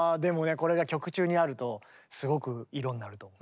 これが曲中にあるとすごく色になると思う。